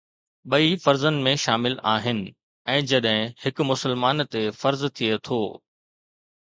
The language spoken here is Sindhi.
ٻئي فرضن ۾ شامل آهن ۽ جڏهن هڪ مسلمان تي فرض ٿئي ٿو.